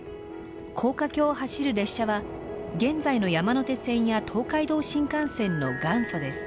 高架橋を走る列車は現在の山手線や東海道新幹線の元祖です。